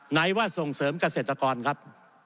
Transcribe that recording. ไหนว่าส่งเสริมเกษตรกรครับ